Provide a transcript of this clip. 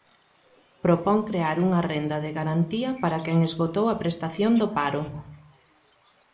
Propón crear unha renda de garantía para quen esgotou a prestación do paro.